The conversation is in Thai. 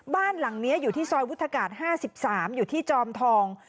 บ้านหลังนี้อยู่ที่ซอยวุฒากาศ๕๓อยู่ที่จอมทอง